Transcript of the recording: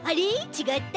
ちがった。